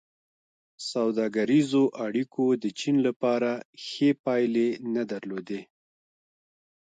سوداګریزو اړیکو د چین لپاره ښې پایلې نه درلودې.